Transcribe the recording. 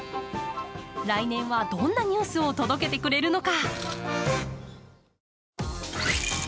来年は、どんなニュースを届けてくれるのか。